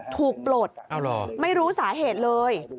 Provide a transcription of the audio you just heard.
ถูกโปรดไม่รู้สาเหตุเลย